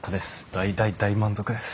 大大大満足です。